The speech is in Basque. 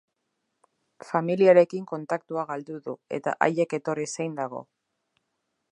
Familiarekin kontaktua galdu du eta haiek etorri zain dago.